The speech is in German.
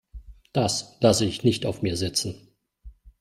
Das lasse ich nicht auf mir sitzen.